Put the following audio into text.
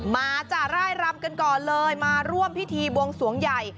จ้ะร่ายรำกันก่อนเลยมาร่วมพิธีบวงสวงใหญ่